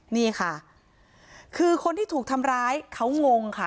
นี่ค่ะคือคนที่ถูกทำร้ายเขางงค่ะ